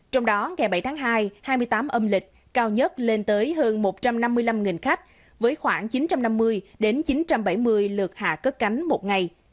trong đó ngày bảy tháng hai hai mươi tám âm lịch cao nhất lên tới hơn một trăm năm mươi năm khách với khoảng chín trăm năm mươi chín trăm bảy mươi lượt hạ cất cánh một ngày